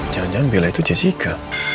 jangan jangan bela itu jessica